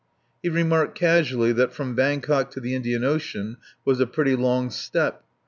He remarked casually that from Bangkok to the Indian Ocean was a pretty long step.